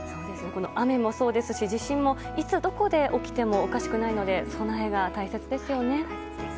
雨もそうですし地震もいつどこで起きてもおかしくないので備えが大切ですよね。